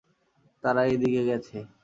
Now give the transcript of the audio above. তারা এই দিকে গেছে।